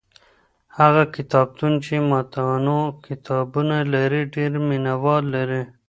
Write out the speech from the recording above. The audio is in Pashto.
هغه کتابتون چي متنوع کتابونه لري ډېر مينه وال لري.